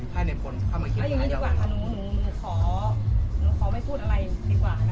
ให้ในผลเข้ามาคิดเอาอย่างนี้ดีกว่าค่ะหนูหนูขอหนูขอไม่พูดอะไรดีกว่านะคะ